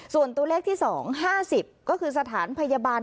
ส่วนตัวเลขที่๒๕๐ก็คือสถานพยาบาล